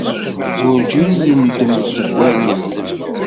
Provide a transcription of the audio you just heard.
Werǧin yendem deg wayen yexdem.